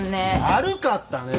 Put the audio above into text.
悪かったね。